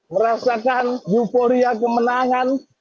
merasakan euforia kemenangan